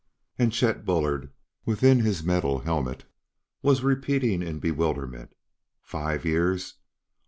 And Chet Bullard, within his metal helmet, was repeating in bewilderment: "Five years!